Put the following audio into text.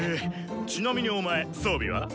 ちなみにお前装備は？